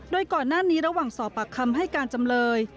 โดยก่อนหน้านี้ระหว่างสอบปากคำให้การจำเลย